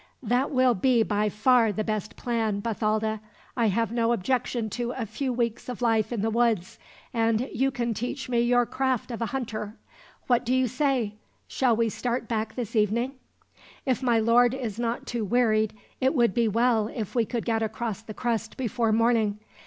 "That will be by far the best plan, Bathalda. I have no objection to a few weeks of life in the woods, and you can teach me your craft of a hunter. What do you say: shall we start back this evening?" "If my lord is not too wearied, it would be well if we could get across the crest before morning.